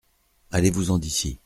Allez-vous-en d’ici.